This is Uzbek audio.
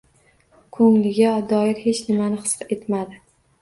Ko‘ngliga doir hech nimani his etmadi.